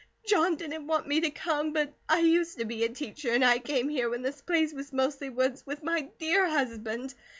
"John didn't want me to come. But I used to be a teacher, and I came here when this place was mostly woods, with my dear husband.